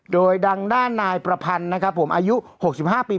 โดยดังด้านนายประพันธ์นะครับผมอายุ๖๕ปี